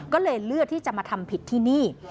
ก็เลยเลือกที่จะมาทำผิดที่นี่